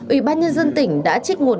ủy ban nhân dân tỉnh đã trích nguồn